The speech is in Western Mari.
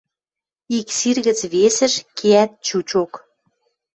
Ик сир гӹц весӹш кеӓт чучок.